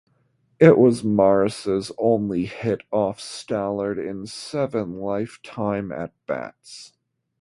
It was Maris's only hit off Stallard in seven lifetime at bats.